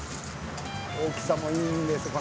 大きさもいいんですほら。